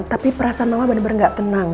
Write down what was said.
tapi perasaan mama benar benar gak tenang